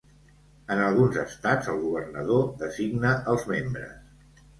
En alguns estats, el governador designa els membres.